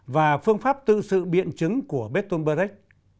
và phương pháp tự sự biện chứng của beethoven